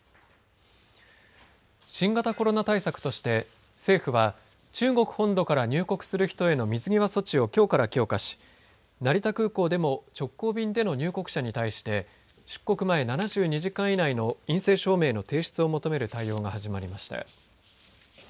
新型コロナ対策として政府は中国本土から入国する人への水際措置をきょうから強化し成田空港でも直行便での入国者に対して出国前７２時間以内の陰性証明の提出を求める対応が始まりました。